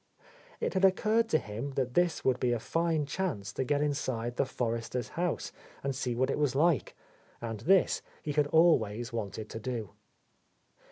It had occurred to him that this would be a fine chance to get inside the Forresters' house and see what it was like, and this he had always wanted to do.